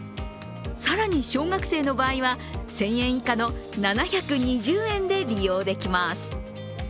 更に、小学生の場合は１０００円以下の７２０円で利用できます。